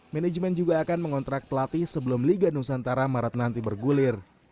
manajemen juga akan mengontrak pelatih sebelum liga nusantara maret nanti bergulir